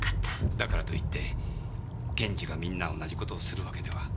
だからと言って検事がみんな同じ事をするわけでは。